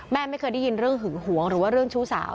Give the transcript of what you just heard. ไม่เคยได้ยินเรื่องหึงหวงหรือว่าเรื่องชู้สาว